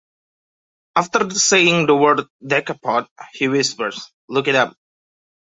After saying the word Decapod, he whispers "look it up".